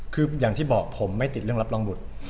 คืออย่างที่บอกผมไม่ติดเรื่องรับรองบุตร